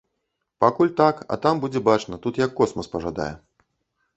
Пакуль так, а там будзе бачна, тут як космас пажадае.